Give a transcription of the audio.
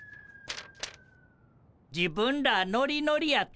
「自分らノリノリやったな。